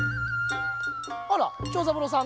あら長三郎さん